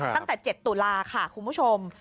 ตั้งแต่๗ตุลาค่ะคุณผู้ชม